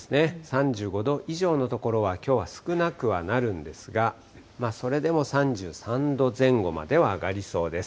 ３５度以上の所はきょうは少なくはなるんですが、それでも３３度前後までは上がりそうです。